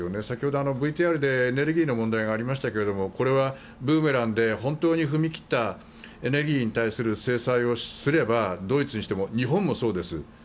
先ほどＶＴＲでエネルギーの問題がありましたけどこれはブーメランで本当に踏み切ったエネルギーに対する制裁をすればドイツにしても日本もそうです。